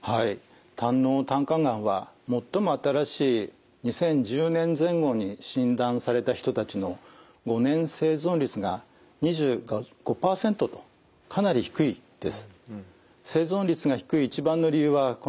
胆のう・胆管がんは最も新しい２０１０年前後に診断された人たちの５年生存率が２５％とかなり低いです。